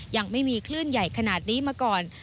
ยังไม่มีคลื่นใหญ่ขนาดนี้มาก่อน